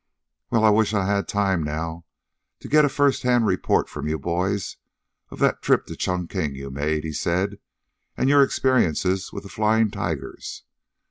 "Well, I wish I had time, now, to get a first hand report from you boys of that trip to Chungking you made," he said. "And your experiences with the Flying Tigers.